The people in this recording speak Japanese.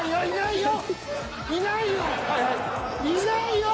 いないよ。